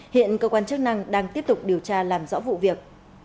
hiện cơ quan chức năng đang tiếp tục điều tra làm rõ vụ việc